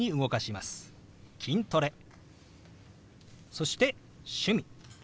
そして「趣味」。